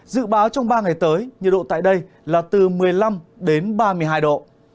dự báo trong ba ngày tới nhiệt độ tại đây là từ một mươi năm đến ba mươi hai độ